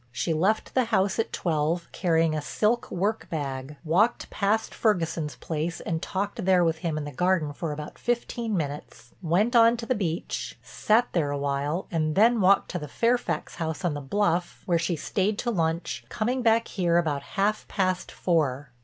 She left the house at twelve, carrying a silk work bag, walked past Ferguson's place and talked there with him in the garden for about fifteen minutes, went on to the beach, sat there a while, and then walked to the Fairfax house on the bluff, where she stayed to lunch, coming back here about half past four.